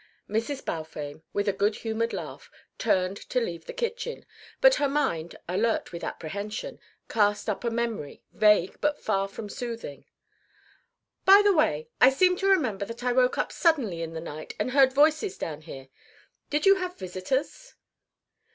Mrs. Balfame, with a good humoured laugh, turned to leave the kitchen. But her mind, alert with apprehension, cast up a memory, vague but far from soothing. "By the way, I seem to remember that I woke up suddenly in the night and heard voices down here. Did you have visitors?"